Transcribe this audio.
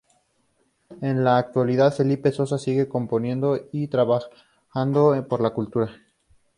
En la actualidad Felipe Sosa sigue componiendo y trabajando por la cultura.